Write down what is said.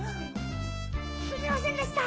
すみませんでした！